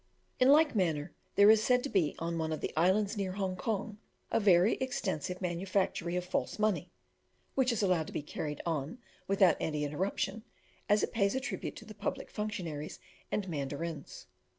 In like manner there is said to be on one of the islands near Hong Kong a very extensive manufactory of false money, which is allowed to be carried on without any interruption, as it pays a tribute to the public functionaries and mandarins.